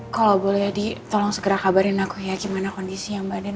kalo boleh di tolong segera kabarin aku ya gimana kondisi mbak anin